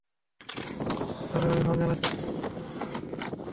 একজন বাঙালিকে তারা সাদরে অভিবাদন জানাচ্ছে দেখে আমি ভীষণ গর্বিত হয়েছি।